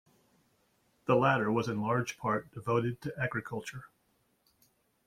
The latter was in large part devoted to agriculture.